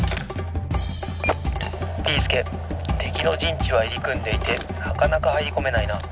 「ビーすけてきのじんちはいりくんでいてなかなかはいりこめないな。